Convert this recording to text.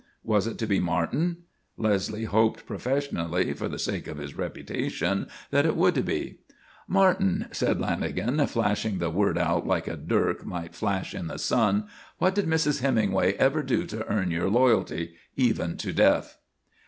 Was it to be Martin? Leslie hoped professionally, for the sake of his reputation, that it would be. "Martin," said Lanagan, flashing the word out like a dirk might flash in the sun, "what did Mrs. Hemingway ever do to earn your loyalty even to death?"